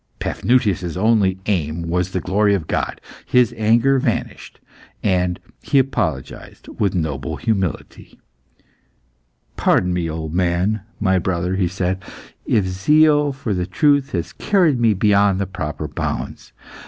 Paphnutius' only aim was the glory of God. His anger vanished, and he apologised with noble humility. "Pardon me, old man, my brother," he said, "if zeal for the truth has carried me beyond proper bounds.